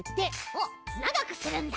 おっながくするんだ。